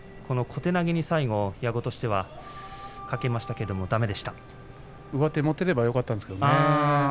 小手投げに最後、矢後としては上手を持っていればよかったんですけれどね。